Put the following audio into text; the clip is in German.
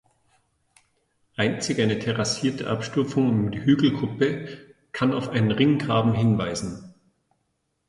Einzig eine terrassierte Abstufung um die Hügelkuppe kann auf einen Ringgraben hinweisen.